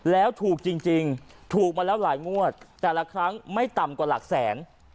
แล้วถูกจริงถูกมาแล้วหลายงวดแต่ละครั้งไม่ต่ำกว่าหลักแสน